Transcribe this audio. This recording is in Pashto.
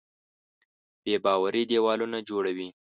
بېباوري دیوالونه جوړوي.